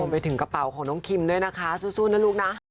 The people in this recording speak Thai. ไปถึงกระเป๋าของน้องคิมด้วยนะคะสู้นะลูกนะ